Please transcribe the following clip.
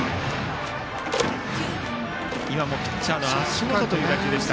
今もピッチャーの足元という打球でした。